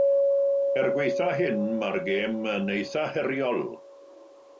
Er gwaethaf hyn, mae'r gêm yn eithaf heriol.